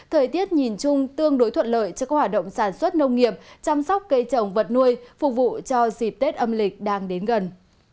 thời tiết nhìn chung tương đối thuận lợi cho các hoạt động sản xuất nông nghiệp chăm sóc cây trồng vật nuôi phục vụ cho dịp tết âm lịch đang đến gần